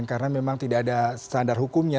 karena memang tidak ada standar hukumnya